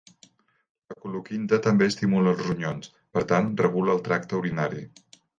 La coloquinta també estimula els ronyons, per tant regula el tracte urinari.